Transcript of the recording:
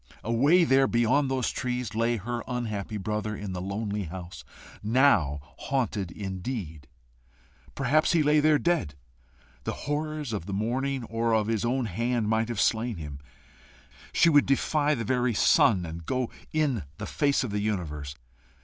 Away there beyond those trees lay her unhappy brother, in the lonely house, now haunted indeed. Perhaps he lay there dead! The horrors of the morning, or his own hand, might have slain him. She must go to him. She would defy the very sun, and go in the face of the universe.